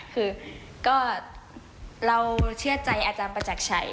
คือก็เราเชื่อใจอาจารย์ประจักรชัย